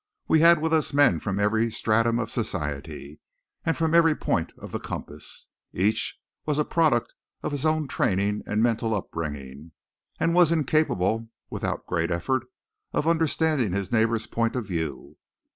We had with us men from every stratum of society, and from every point of the compass. Each was a product of his own training and mental upbringing, and was incapable, without great effort, of understanding his neighbour's point of view.